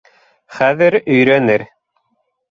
Хәҙер өйрәнер.